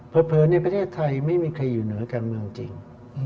เผลอในประเทศไทยไม่มีใครอยู่เหนือการเมืองจริง